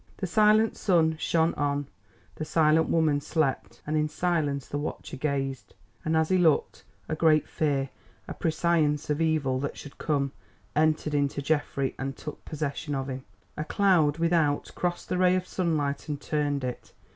The silent sun shone on, the silent woman slept, and in silence the watcher gazed. And as he looked a great fear, a prescience of evil that should come, entered into Geoffrey and took possession of him. A cloud without crossed the ray of sunlight and turned it.